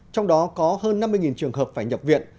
trong đó có hơn năm mươi trường hợp phải nhập viện